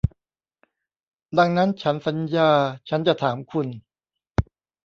ดังนั้นฉันสัญญาฉันจะถามคุณ